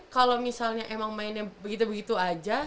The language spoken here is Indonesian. kalau misalnya emang mainnya begitu begitu aja